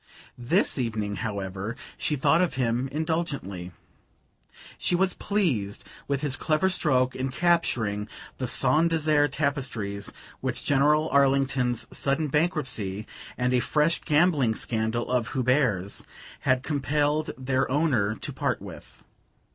This evening, however, she thought of him indulgently. She was pleased with his clever stroke in capturing the Saint Desert tapestries, which General Arlington's sudden bankruptcy, and a fresh gambling scandal of Hubert's, had compelled their owner to part with.